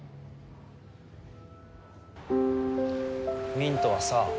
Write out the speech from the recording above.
ミントはさ